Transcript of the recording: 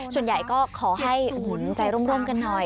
ส่วนใหญ่ก็ขอให้อุ่นใจร่มกันหน่อย